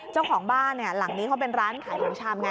เจ้าของบ้านหลังนี้เขาเป็นร้านขายของชำไง